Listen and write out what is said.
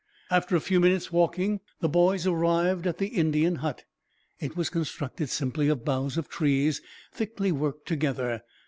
After a few minutes' walking, the boys arrived at the Indian hut. It was constructed simply, of boughs of trees thickly worked together.